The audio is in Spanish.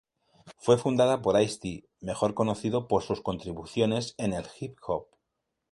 Fue fundada por Ice-T, mejor conocido por sus contribuciones en el "hip hop".